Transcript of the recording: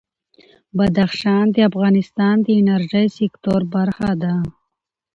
بدخشان د افغانستان د انرژۍ سکتور برخه ده.